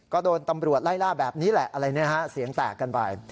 ก็โดนตำรวจไล่ล่าแบบนี้แหละอะไรเนี่ยฮะเสียงแตกกันไป